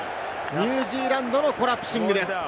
ニュージーランドのコラプシングです。